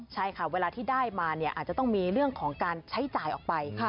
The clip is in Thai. ใช่ค่ะเวลาที่ได้มาอาจจะต้องมีเรื่องของการใช้จ่ายออกไป